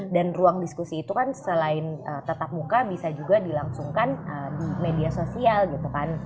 dan ruang diskusi itu kan selain tetap muka bisa juga dilangsungkan di media sosial gitu kan